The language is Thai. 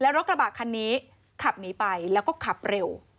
รถกระบะคันนี้ขับหนีไปแล้วก็ขับเร็ว